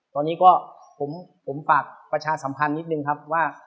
ตอนนี้ก็ผมฝากประชาสัมพันธ์นิดนึงครับว่า